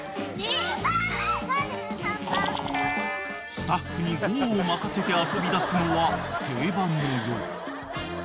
［スタッフにごうを任せて遊びだすのは定番のよう］